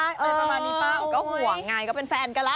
อะไรประมาณนี้ป้าก็ห่วงไงก็เป็นแฟนกันละ